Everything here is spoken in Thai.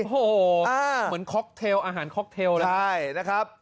เหมือนอาหารค็อกเทลเลยนะครับใช่นะครับ